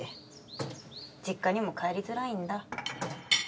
実家にも帰りづらいんだ。